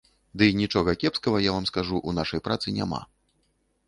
Дый нічога кепскага, я вам скажу, у нашай працы няма.